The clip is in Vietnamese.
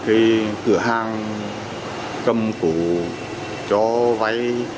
cái cửa hàng cầm cổ cho váy